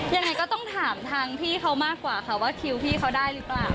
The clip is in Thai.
ยังไงก็ต้องถามทางพี่เขามากกว่าค่ะว่าคิวพี่เขาได้หรือเปล่า